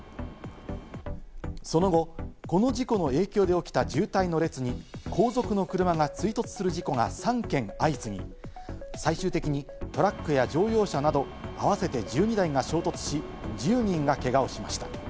その後、この事故の影響で起きた渋滞の列に後続の車が追突する事故が３件相次ぎ、最終的にトラックや乗用車など合わせて１２台が衝突し１０人がけがをしました。